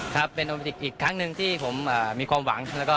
ครับเป็นโอมิติกอีกครั้งหนึ่งที่ผมมีความหวังแล้วก็